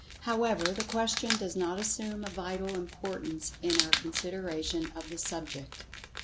However, the question does not assume a vital importance in our consideration of the subject.